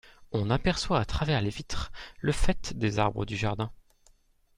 On aperçoit à travers les vitres le faîte des arbres du jardin.